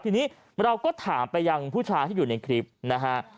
ทีนี้เราก็ถามไปยังผู้ชายที่อยู่ในคลิปนะฮะ